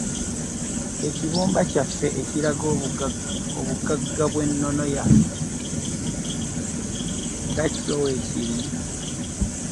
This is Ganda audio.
Ekibumba kyaffe ekiraga obugagga bw’ennono yaffe nga kyo weekiri.